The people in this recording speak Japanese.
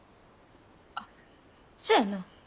あっそやな。